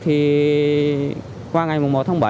thì qua ngày một tháng bảy